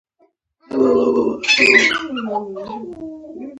اسلامي هېوادونو ته مډرنیزم راغی.